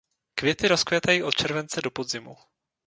Květy rozkvétají od července do podzimu.